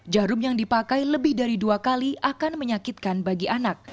jarum yang dipakai lebih dari dua kali akan menyakitkan bagi anak